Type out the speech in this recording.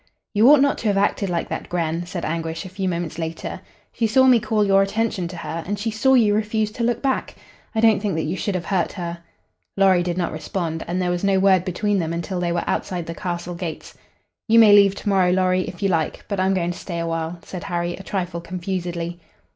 "You ought not to have acted like that, Gren," said Anguish, a few moments later. "She saw me call your attention to her, and she saw you refuse to look back. I don't think that you should have hurt her." Lorry did not respond, and there was no word between them until they were outside the castle gates. "You may leave to morrow, Lorry, if you like, but I'm going to stay a while," said Harry, a trifle confusedly.